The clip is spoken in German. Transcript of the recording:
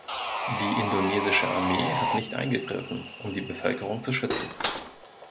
Die indonesische Armee hat nicht eingegriffen, um die Bevölkerung zu schützen.